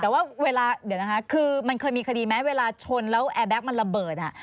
แต่ว่าเวลาเดี๋ยวนะคะคือมันเคยมีคดีไหมเวลาชนแล้วแอร์แก๊กมันระเบิดอ่ะ